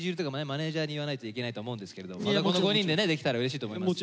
マネージャーに言わないといけないと思うんですけれどもまたこの５人でねできたらうれしいと思います。